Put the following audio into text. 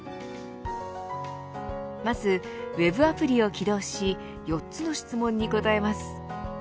まずＷＥＢアプリを起動し４つの質問に答えます。